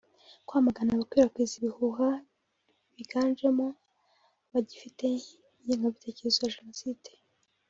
kwamagana abakwirakwiza ibihuha biganjemo abagifite ingengabitekerezo ya Jenoside